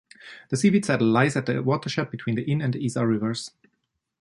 The Seefeld Saddle lies at the watershed between the Inn and Isar rivers.